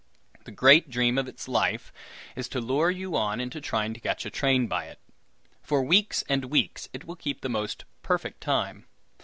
The great dream of its life is to lure you on into trying to catch a train by it. For weeks and weeks it will keep the most perfect time.